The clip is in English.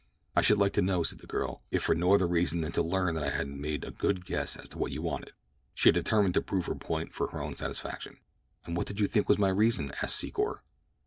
"I should like to know," said the girl, "if for no other reason than to learn that I had made a good guess as to what you wanted." She had determined to prove her point for her own satisfaction. "And what did you think was my reason?" asked Secor.